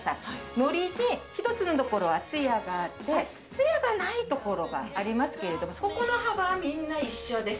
のりで１つのところはつやがあって、つやがないところがありますけれども、そこの幅はみんな一緒です。